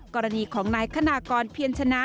กรณีของนายคณากรเพียรชนะ